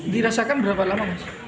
dirasakan berapa lama mas